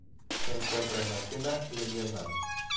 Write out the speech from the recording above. Se encuentra en la China y el Vietnam.